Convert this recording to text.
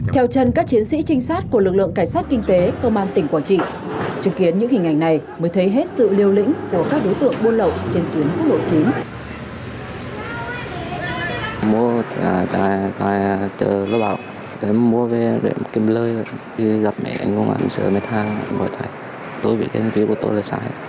theo chân các chiến sĩ trinh sát của lực lượng cảnh sát kinh tế công an tỉnh quảng trị chứng kiến những hình ảnh này mới thấy hết sự liêu lĩnh của các đối tượng buôn lậu trên tuyến quốc lộ chín